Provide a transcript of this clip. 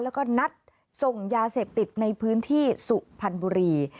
แล้วก็นัดส่งยาเสพติดในพื้นที่สุพรรณบุรี